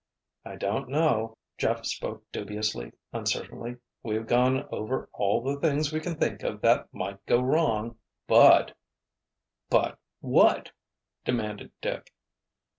"I don't know," Jeff spoke dubiously, uncertainly. "We've gone over all the things we can think of that might go wrong—but——" "But—what?" demanded Dick.